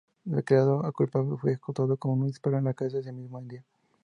Declarado culpable, fue ejecutado con un disparo en la cabeza ese mismo día.